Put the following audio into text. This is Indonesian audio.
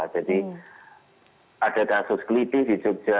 jadi ada kasus klitis di jogja